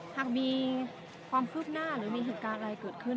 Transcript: หากมีความพฤกษ์หน้าหรือมีหมายเกิดอะไรเกิดขึ้น